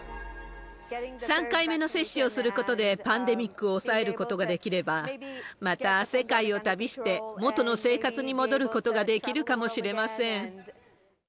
３回目の接種をすることでパンデミックを抑えることができれば、また世界を旅して、元の生活に戻ることができるかもしれません。